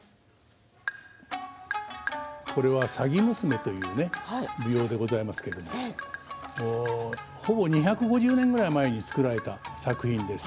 これは「鷺娘」という能でございますけれどほぼ２５０年くらい前に作られた作品です。